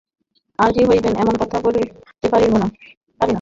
আজই হইবেন এমন কথা বলিতে পারি না, কিন্তু সময়ে কী না হইতে পারে।